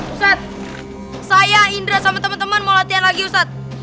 ustadz saya indra sama teman teman mau latihan lagi ustadz